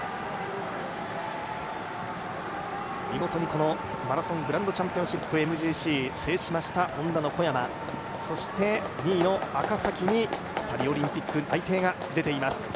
見事にこのマラソングランドチャンピオンシップＭＧＣを制しましたＨｏｎｄａの小山、そして、２位の赤崎にパリオリンピック内定が出ています。